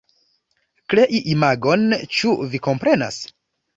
Krei imagon, ĉu vi komprenas?